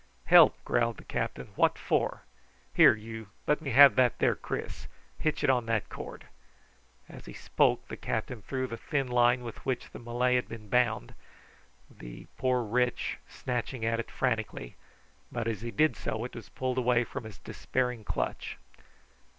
"Help!" growled the captain; "what for? Here, you, let me have that there kris. Hitch it on that cord." As he spoke the captain threw down the thin line with which the Malay had been bound, the poor wretch snatching at it frantically; but as he did so it was pulled away from his despairing clutch.